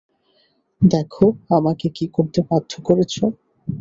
দেখো আমাকে কী করতে বাধ্য করেছো।